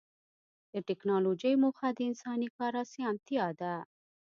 د ټکنالوجۍ موخه د انساني کار اسانتیا ده.